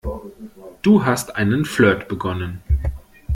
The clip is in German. Du hast einen Flirt begonnen.